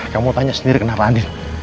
kamu tanya sendiri kenapa adil